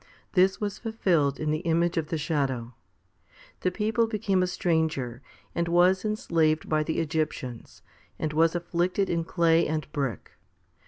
5 This was fulfilled in the image of the shadow. The people became a stranger, and was enslaved by the Egyptians, and was afflicted in clay and brick.